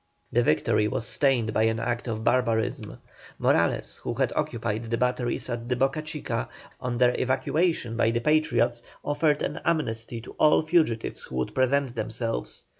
The victory was stained by an act of barbarism. Morales, who had occupied the batteries at the Boca Chica, on their evacuation by the Patriots, offered an amnesty to all fugitives who would present themselves.